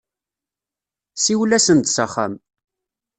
Siwel-asen-d s axxam.